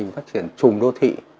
phát triển trùm đô thị